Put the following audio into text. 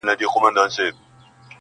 چي په کال کي یې هر څه پیسې گټلې!!